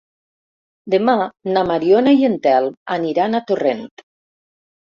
Demà na Mariona i en Telm aniran a Torrent.